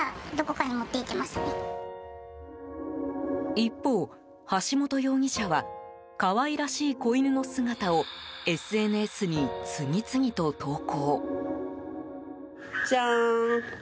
一方、橋本容疑者は可愛らしい子犬の姿をＳＮＳに次々と投稿。